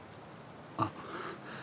あっ。